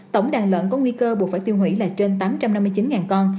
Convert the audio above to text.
tổng đàn lợn có nguy cơ buộc phải tiêu hủy là trên tám trăm năm mươi chín con